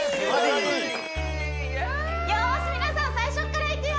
よーし皆さん最初からいくよ